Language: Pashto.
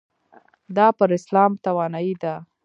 دا پر اسلام توانایۍ ده.